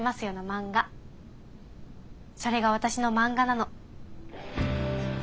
漫画それが私の漫画なの。